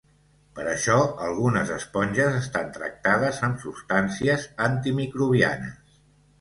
Per això algunes esponges estan tractades amb substàncies antimicrobianes.